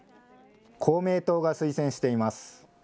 公明党が推薦しています。